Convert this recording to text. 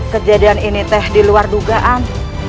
kejadian ini teh di luar dugaan